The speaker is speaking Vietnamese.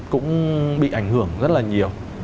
cũng bị ảnh hưởng rất là nhiều